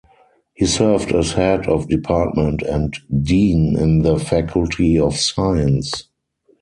He served as Head of Department and Dean in the Faculty of Science.